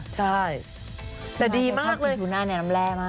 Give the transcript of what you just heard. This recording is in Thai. แต่ดีมากเลย